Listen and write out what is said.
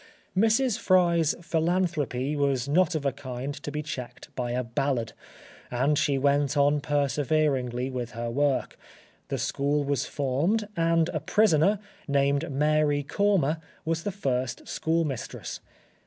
Mrs. Fry's philanthropy was not of a kind to be checked by a ballad, and she went on perseveringly with her work; the school was formed, and a prisoner, named Mary Cormor, was the first schoolmistress.